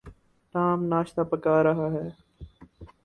Tom ناشتہ پکھا رہا ہے۔